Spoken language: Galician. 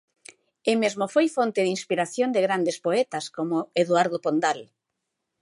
E mesmo foi fonte de inspiración de grandes poetas como Eduardo Pondal.